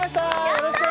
やったー！